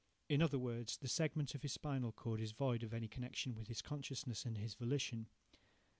In other words, the segment of his spinal cord is void of any connection with his consciousness and his volition.